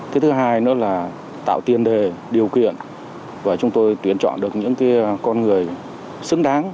cái thứ hai nữa là tạo tiền đề điều kiện và chúng tôi tuyển chọn được những con người xứng đáng